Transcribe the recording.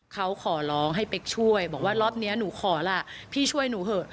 เขาขอร้องให้เป๊กช่วยบอกว่ารอบนี้หนูขอล่ะพี่ช่วยหนูเถอะ